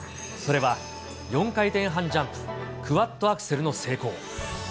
それは４回転半ジャンプ・クワッドアクセルの成功。